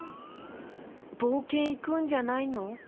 ぼうけんいくんじゃないの？